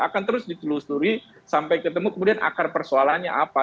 akan terus ditelusuri sampai ketemu kemudian akar persoalannya apa